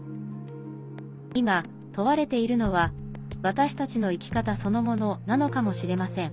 今、問われているのは私たちの生き方そのものなのかもしれません。